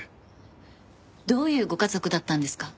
どういうご家族だったんですか？